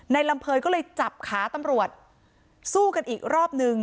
ลำเภยก็เลยจับขาตำรวจสู้กันอีกรอบนึง